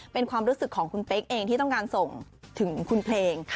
เป็นความรู้สึกของคุณเป๊กเองที่ต้องการส่งถึงคุณเพลง